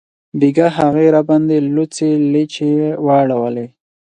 بیګاه هغې راباندې لوڅې لیچې واړولې